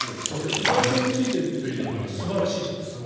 意外性を突いているから素晴らしいじゃないですか。